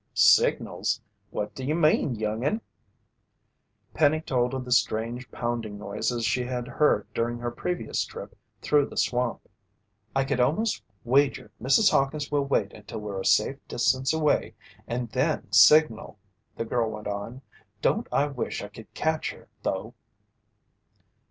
"Signals? What do you mean, young'un?" Penny told of the strange pounding noises she had heard during her previous trip through the swamp. "I could almost wager Mrs. Hawkins will wait until we're a safe distance away, and then signal!" the girl went on. "Don't I wish I could catch her though!"